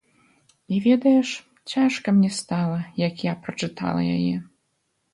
І, ведаеш, цяжка мне стала, як я прачытала яе.